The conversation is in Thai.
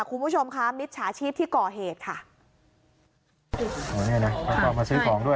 คุณผู้ชมค่ะมิจฉาชีพที่ก่อเหตุค่ะอันนี้นะเขากลับมาซื้อของด้วยค่ะ